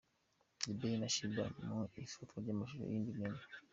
The Ben na Sheebah mu ifatwa ry'amashusho y'iyi ndirimbo.